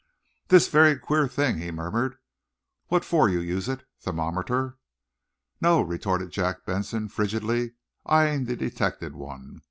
"This very queer thing," he murmured. "What for you use it thermometer." "No," retorted Jack Benson, frigidly, eyeing the detected one.